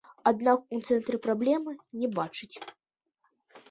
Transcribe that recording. Аднак у цэнтры праблемы не бачаць.